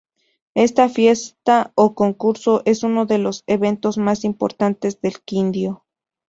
Esta fiesta o concurso es uno de los eventos más importantes del Quindío.